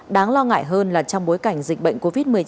đáng lo ngại hơn là trong bối cảnh dịch bệnh covid một mươi chín